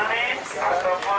teman karyawati dari rumah masker